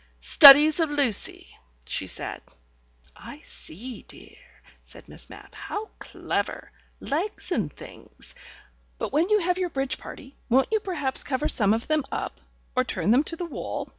"Studies of Lucy," she said. "I see, dear," said Miss Mapp. "How clever! Legs and things! But when you have your bridge party, won't you perhaps cover some of them up, or turn them to the wall?